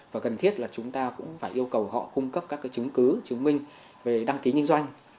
và cần thiết là chúng ta cũng phải yêu cầu họ cung cấp các chứng cứ chứng minh về đăng ký nhân doanh